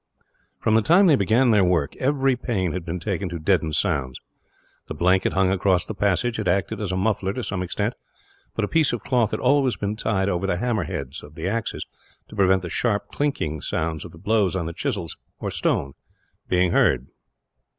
From the time they began their work, every pains had been taken to deaden sounds. The blanket hung across the passage had acted as a muffler, to some extent; but a piece of cloth had always been tied over the hammer heads of the axes, to prevent the sharp clinking sounds of the blows on the chisels, or stone, being heard.